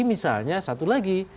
misalnya satu lagi